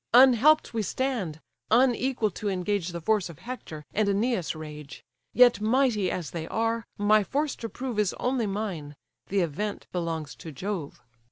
Unhelp'd we stand, unequal to engage The force of Hector, and Æneas' rage: Yet mighty as they are, my force to prove Is only mine: the event belongs to Jove."